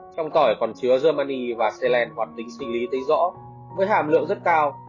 trong tỏi còn chứa germany và selen hoạt tính sinh lý tính rõ với hàm lượng rất cao